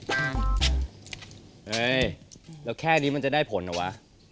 เฮ้ยแล้วแค่นี้มันจะได้ผลเหรอวะ